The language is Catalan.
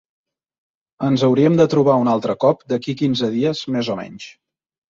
Ens hauríem de trobar un altre cop d'aquí quinze dies, més o menys